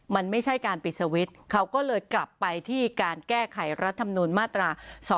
มันไม่ใช่การปิดสวิตช์เขาก็เลยกลับไปที่การแก้ไขรัฐมนุนมาตรา๒๕๖